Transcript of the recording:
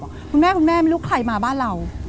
คุณแม่ไม่รู้ใครมาบ้านเรา